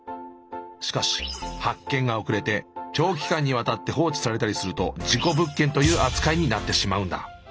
しかし発見が遅れて長期間にわたって放置されたりすると事故物件という扱いになってしまうんだ。